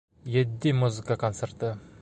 Етди музыка концерты